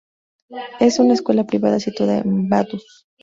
Es una escuela privada situada en Vaduz.